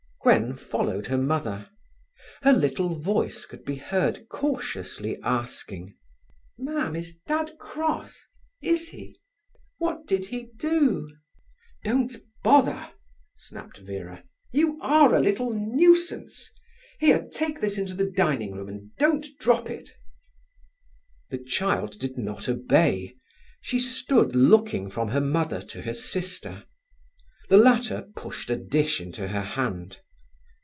Gwen followed her mother. Her little voice could be heard cautiously asking: "Mam, is dad cross—is he? What did he do?" "Don't bother!" snapped Vera. "You are a little nuisance! Here, take this into the dining room, and don't drop it." The child did not obey. She stood looking from her mother to her sister. The latter pushed a dish into her hand.